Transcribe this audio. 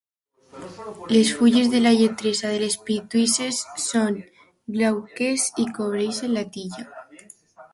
Les fulles de la lleteresa de les Pitiüses són glauques i cobreixen la tija.